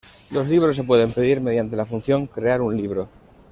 Los libros se pueden pedir mediante la función "Crear un libro".